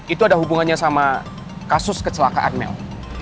itu ada hubungannya sama kasus kecelakaan mel